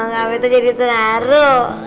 kak vita jadi terlalu